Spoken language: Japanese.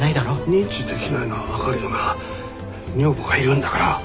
認知できないのは分かるよな女房がいるんだから。